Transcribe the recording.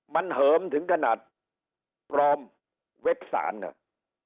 มันเหิมถึงขนาดปลอมเว็บสารครับ